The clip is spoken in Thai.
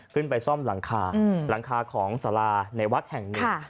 ขึ้นไปซ่อมหลังคาหลังคาของสาราในวัดแห่งหนึ่ง